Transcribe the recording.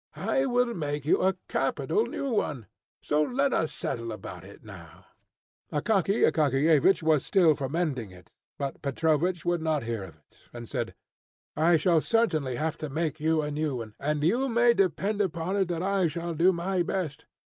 I will make you a capital new one, so let us settle about it now." Akaky Akakiyevich was still for mending it, but Petrovich would not hear of it, and said, "I shall certainly have to make you a new one, and you may depend upon it that I shall do my best.